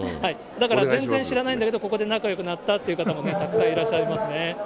だから全然知らないんだけど、ここで仲よくなったっていう方もたくさんいらっしゃいますね。